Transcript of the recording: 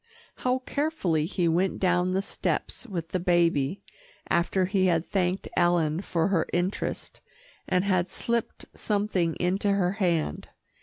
How carefully he went down the steps with the baby, after he had thanked Ellen for her interest, and had slipped something into her hand.